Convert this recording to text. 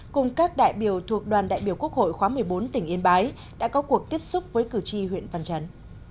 cùng các đại biểu thuộc đoàn đại biểu quốc hội khóa một mươi bốn tỉnh yên bái đã có cuộc tiếp xúc với cử tri huyện văn chấn